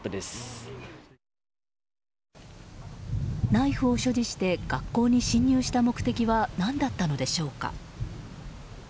ナイフを所持して学校に侵入した目的は何だったのでしょうか。